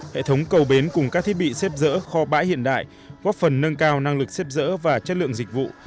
hệ thống cầu bến cùng các thiết bị xếp dỡ kho bãi hiện đại góp phần nâng cao năng lực xếp dỡ và chất lượng dịch vụ